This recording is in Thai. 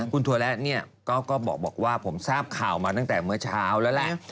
คุณถั่วแระก็บอกว่าผมทราบข่าวมาตั้งแต่เมื่อเช้าแล้วแหละ